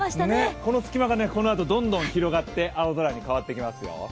この隙間がこのあとどんどん広がって、青空に変わってきますよ。